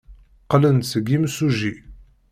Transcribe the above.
Qqlen-d seg yimsujji.